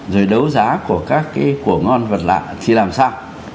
rồi đấu giá của các cái của ngon vật lạ khi làm sao